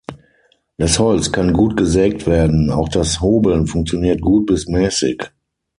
Das Holz kann gut gesägt werden, auch das Hobeln funktioniert gut bis mäßig.